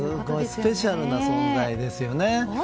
スペシャルな存在ですよね。